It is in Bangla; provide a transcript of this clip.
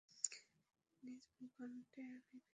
নিজ ভূখণ্ডে আমি ফিরে আসব।